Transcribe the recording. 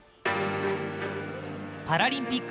パラリンピック